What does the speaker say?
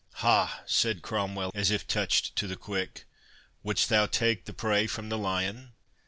"Ha!" said Cromwell, as if touched to the quick, "wouldst thou take the prey from the lion?"